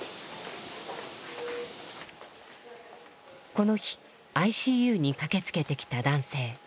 この日ＩＣＵに駆けつけてきた男性。